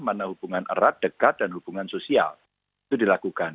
mana hubungan erat dekat dan hubungan sosial itu dilakukan